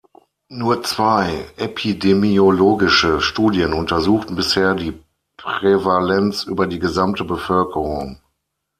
Nur zwei epidemiologische Studien untersuchten bisher die Prävalenz über die gesamte Bevölkerung.